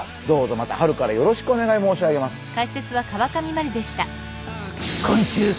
どうぞまた春からよろしくお願い申し上げます。